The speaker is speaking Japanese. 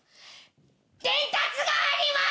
伝達があります！